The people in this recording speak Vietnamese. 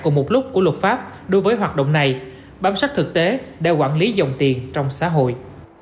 cùng một lúc của luật pháp đối với hoạt động này bám sát thực tế để quản lý dòng tiền trong xã hội